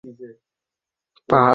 আমার বিশ্বাস হচ্ছে না, স্যার।